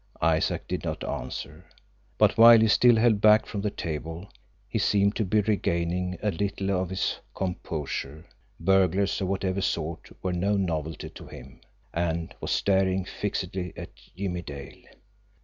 Isaac did not answer; but, while he still held back from the table, he seemed to be regaining a little of his composure burglars of whatever sort were no novelty to him and was staring fixedly at Jimmie Dale.